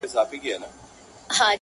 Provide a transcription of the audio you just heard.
یار به ملا تړلی حوصلې د دل دل واغوندم,